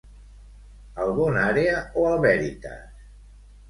Al BonÀrea o al Veritas?